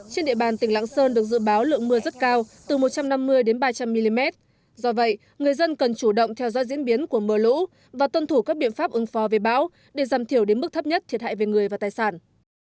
trên địa bàn tỉnh lạng sơn được dự báo lượng mưa rất cao từ một trăm năm mươi đến ba trăm linh mm do vậy người dân cần chủ động theo dõi diễn biến của mưa lũ và tuân thủ các biện pháp ứng phó về bão để giảm thiểu đến mức thấp nhất thiệt hại về người và tài sản